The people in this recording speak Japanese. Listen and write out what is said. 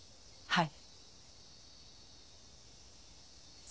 はい。